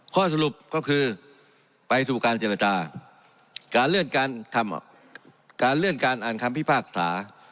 ข้อสรุปก็คือไปสู่การเจรจาการเลื่อนการอ่านคำพิพากษา